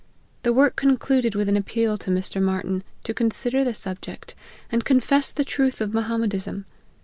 The work concluded with an appeal to Mr. Martyn, to con sider the subject, and confess the truth of Moham medism.